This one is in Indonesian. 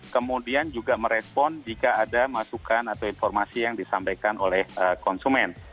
kemudian juga merespon jika ada masukan atau informasi yang disampaikan oleh konsumen